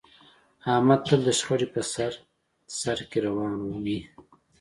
احمد تل د شخړې په سر سرکې روان وي.